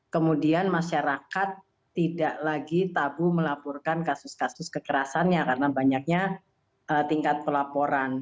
kemudian masyarakat tidak lagi tabu melaporkan kasus kasus kekerasannya karena banyaknya tingkat pelaporan